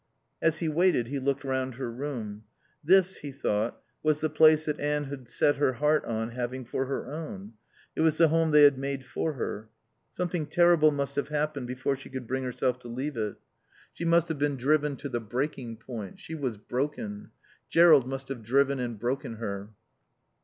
As he waited he looked round her room. This, he thought, was the place that Anne had set her heart on having for her own; it was the home they had made for her. Something terrible must have happened before she could bring herself to leave it. She must have been driven to the breaking point. She was broken. Jerrold must have driven and broken her.